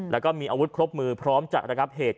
แล้วก็มีอาวุธครบมือพร้อมจะระงับเหตุ